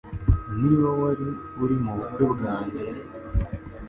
Niba wari uri mubukwe bwanjye